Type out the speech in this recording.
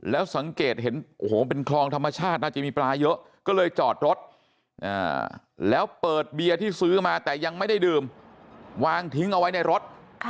แล้วสังเกตเห็นโอ้โหเป็นคลองธรรมชาติน่าจะมีปลาเยอะก็เลยจอดรถแล้วเปิดเบียร์ที่ซื้อมาแต่ยังไม่ได้ดื่มวางทิ้งเอาไว้ในรถ